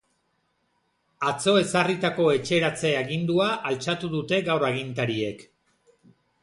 Atzo ezarritako etxeratze agindua altxatu dute gaur agintariek.